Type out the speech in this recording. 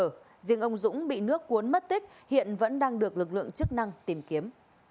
riêng ông dũng bị nước cuốn mất tích hiện vẫn đang được lực lượng chức năng tìm kiếm